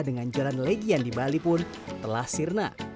dengan jalan legian di bali pun telah sirna